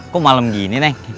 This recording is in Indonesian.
kok malem gini neng